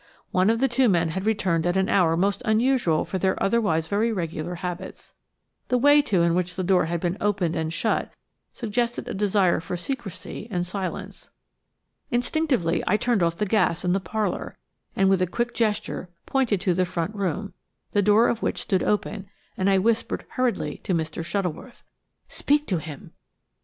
One of the two men had returned at an hour most unusual for their otherwise very regular habits. The way, too, in which the door had been opened and shut suggested a desire for secrecy and silence. Instinctively I turned off the gas in the parlour, and with a quick gesture pointed to the front room, the door of which stood open, and I whispered hurriedly to Mr. Shuttleworth. "Speak to him!"